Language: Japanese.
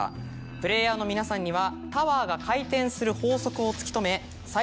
プレーヤーの皆さんには。